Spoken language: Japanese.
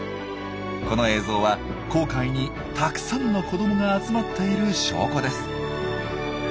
この映像は紅海にたくさんの子どもが集まっている証拠です。